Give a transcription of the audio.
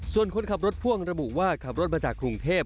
ส่วนคนขับรถพ่วงระบุว่าขับรถมาจากกรุงเทพ